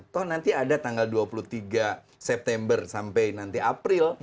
toh nanti ada tanggal dua puluh tiga september sampai nanti april